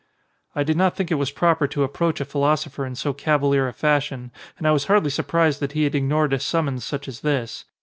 I did not think it was proper to approach a philosopher in so cavalier a fashion and I was hardly surprised that he had ignored a summons such as this.